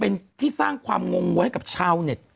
เป็นที่สร้างความงงงวัวให้กับชาวเน็ต